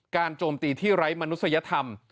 โจมตีที่ไร้มนุษยธรรม